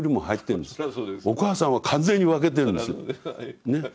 お母さんは完全に分けてるんですよ。